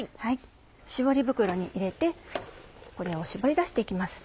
絞り袋に入れてこれを絞り出して行きます。